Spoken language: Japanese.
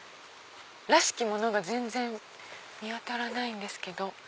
らしきものが全然見当たらないんですけど。